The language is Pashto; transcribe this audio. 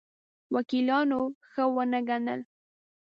وکیلانو ښه ونه ګڼل.